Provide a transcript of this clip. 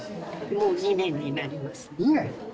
もう２年になりますね。